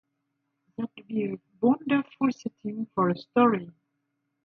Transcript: That'd be a wonderful setting for a story!'